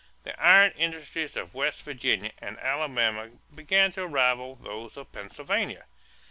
The iron industries of West Virginia and Alabama began to rival those of Pennsylvania.